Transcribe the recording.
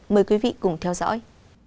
mời quý vị cùng theo dõi